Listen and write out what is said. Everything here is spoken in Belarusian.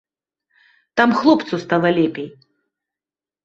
Там хлопцу стала лепей.